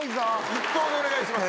一答でお願いします。